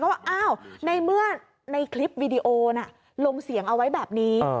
ว่าอ้าวในเมื่อในคลิปวีดีโอน่ะลงเสียงเอาไว้แบบนี้